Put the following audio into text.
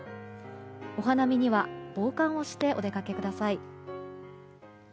お花見には防寒をしてお出かけください。